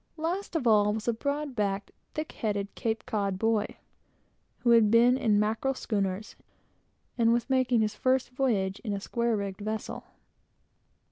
Last of all, was a broad backed, thick headed boy from Cape Cod, who had been in mackerel schooners, and was making his first voyage in a square rigged vessel.